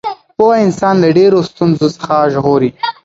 پوهه انسان له ډېرو ستونزو څخه ژغوري.